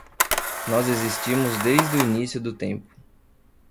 Nós existimos desde o início do tempo.